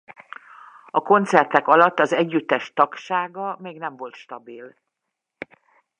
A koncertek alatt az együttes tagsága még nem volt stabil.